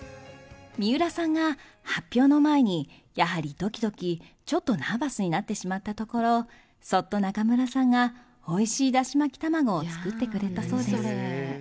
水卜さんが発表の前にやはりどきどき、ちょっとナーバスになってしまったところ、そっと中村さんがおいしいだし巻き卵を作ってくれたそうです。